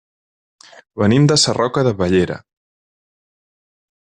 Venim de Sarroca de Bellera.